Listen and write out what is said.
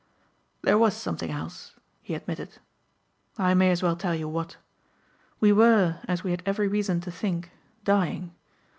"There was something else," he admitted. "I may as well tell you what. We were, as we had every reason to think, dying.